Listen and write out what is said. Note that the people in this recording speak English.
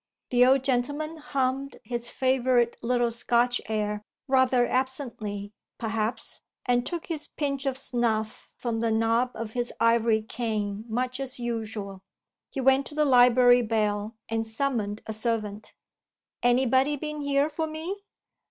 The old gentleman hummed his favorite little Scotch air rather absently, perhaps and took his pinch of snuff from the knob of his ivory cane much as usual. He went to the library bell and summoned a servant. "Any body been here for me?"